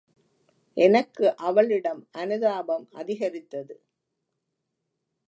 எனக்கு அவளிடம் அனுதாபம் அதிகரித்தது.